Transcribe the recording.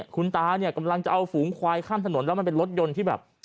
คุณตาเนี่ยกำลังจะเอาฝูงควายข้ามถนนแล้วมันเป็นรถยนต์ที่แบบ